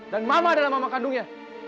dan mama adalah mama kandungnya